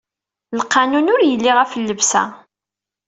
Lqanun ur yelli ɣef llebsa.